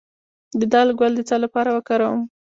د دال ګل د څه لپاره وکاروم؟